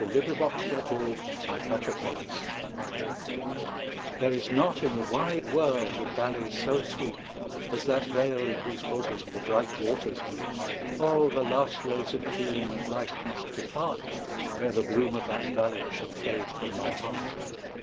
The Meeting of the Waters THERE is not in the wide world a valley so sweet As that vale in whose bosom the bright waters meet; Oh! the last rays of feeling and life must depart, Ere the bloom of that valley shall fade from my heart.